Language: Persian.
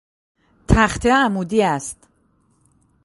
تخته عمودی است.